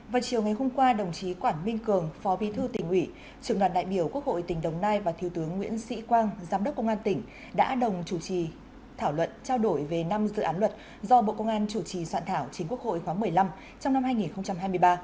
vào chiều ngày hôm qua đồng chí quản minh cường phó bí thư tỉnh ủy trưởng đoàn đại biểu quốc hội tỉnh đồng nai và thiếu tướng nguyễn sĩ quang giám đốc công an tỉnh đã đồng chủ trì thảo luận trao đổi về năm dự án luật do bộ công an chủ trì soạn thảo chính quốc hội khóa một mươi năm trong năm hai nghìn hai mươi ba